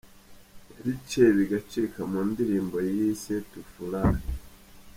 yabiciye bigacika mu ndirimbo yise Tufurahi.